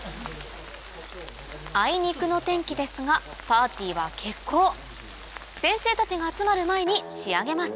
あいにくの天気ですがパーティーは決行先生たちが集まる前に仕上げます